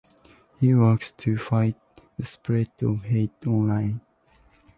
She works to fight the spread of hate online.